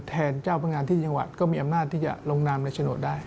เจ้าพนักงานที่จังหวัดก็มีอำนาจที่จะลงนามในโฉนดได้